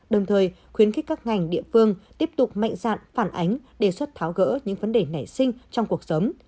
đồng thời khuyến khích các ngành địa phương tiếp tục mạnh dạn phản ánh đề xuất tháo gỡ những vấn đề nảy sinh trong cuộc sống